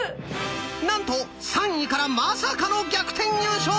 なんと３位からまさかの逆転優勝です！